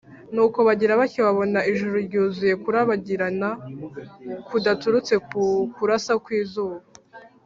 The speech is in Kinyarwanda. nuko bagira batya babona ijuru ryuzuye ukurabagirana kudaturutse ku kurasa kw’izuba